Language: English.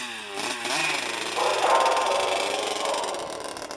Excuse me, what empowers your husband to hold this office?